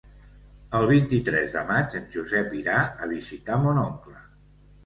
El vint-i-tres de maig en Josep irà a visitar mon oncle.